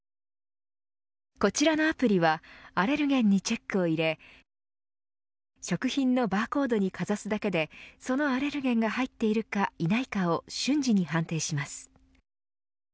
こちらのアプリはアレルゲンにチェックを入れ食品のバーコードにかざすだけでそのアレルゲンが入っているか、いないかを瞬時に判定します。